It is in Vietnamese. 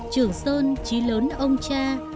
trường sơn trí lớn ông cha